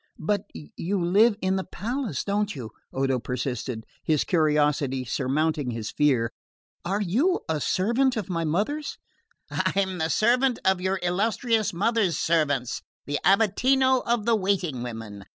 "But you live in the palace, don't you?" Odo persisted, his curiosity surmounting his fear. "Are you a servant of my mother's?" "I'm the servant of your illustrious mother's servants; the abatino of the waiting women.